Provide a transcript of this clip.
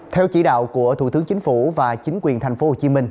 theo chỉ đạo của thủ tướng chính phủ và chính quyền tp hcm